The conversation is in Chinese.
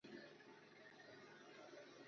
日本参议院议员。